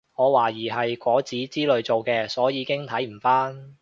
我懷疑係果籽之類做嘅所以已經睇唔返